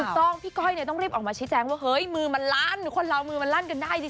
พี่ก้อยเนี่ยต้องรีบออกมาชี้แจงว่าเฮ้ยมือมันลั่นคนเรามือมันลั่นกันได้ดิ